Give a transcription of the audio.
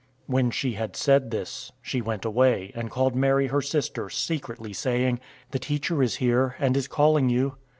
011:028 When she had said this, she went away, and called Mary, her sister, secretly, saying, "The Teacher is here, and is calling you."